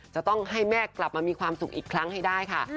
จะต้องให้แม่กลับมามีความสุขอีกครั้งให้ได้ค่ะ